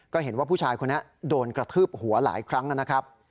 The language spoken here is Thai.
ก็เห็นว่าผู้ชายคนนี้โดนกระทืบหัวหลายครั้งนะครับ